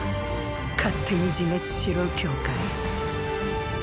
勝手に自滅しろ羌！